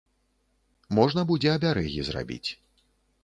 Можна будзе абярэгі зрабіць.